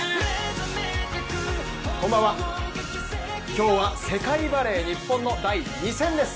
今日は世界バレー日本の第２戦です。